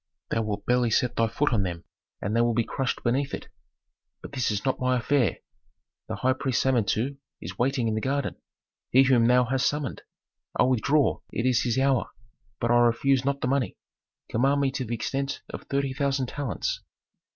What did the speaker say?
Thou wilt barely set thy foot on them and they will be crushed beneath it. But this is not my affair. The high priest Samentu is waiting in the garden, he whom thou hast summoned. I withdraw; it is his hour. But I refuse not the money. Command me to the extent of thirty thousand talents."